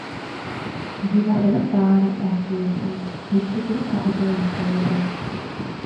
বিবাহে তাঁহারা এক হইয়াছিলেন, মৃত্যুতেও তাঁহাদের এক হওয়া চাই।